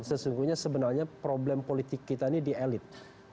sesungguhnya sebenarnya problem politik kita ini di elit